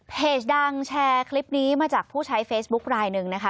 ดังแชร์คลิปนี้มาจากผู้ใช้เฟซบุ๊คลายหนึ่งนะคะ